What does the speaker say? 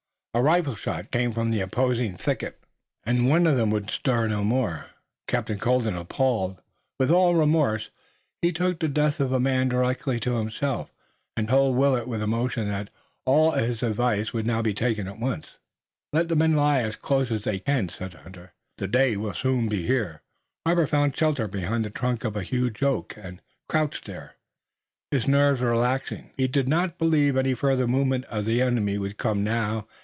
A rifle shot came from the opposing thickets and one of them would stir no more. Captain Colden, appalled, was all remorse. He took the death of the man directly to himself, and told Willet with emotion that all advice of his would now be taken at once. "Let the men lie as close as they can," said the hunter. "The day will soon be here." Robert found shelter behind the trunk of a huge oak, and crouched there, his nerves relaxing. He did not believe any further movement of the enemy would come now.